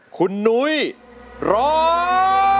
คุณนุ้ยร้อง